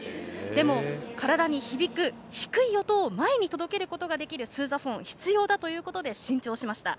でも、体に響く低い音を前に届けることができるスーザフォンが必要だということで新調しました。